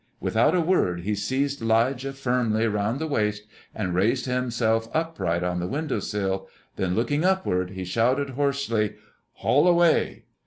Without a word he seized 'Lijah firmly around the waist and raised himself upright on the window sill; then looking upward he shouted, hoarsely, "Haul away!"